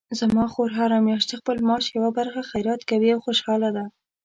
زما خور هره میاشت د خپل معاش یوه برخه خیرات کوي او خوشحاله ده